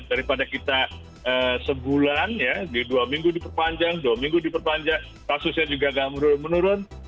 daripada kita sebulan ya dua minggu diperpanjang dua minggu diperpanjang kasusnya juga agak menurun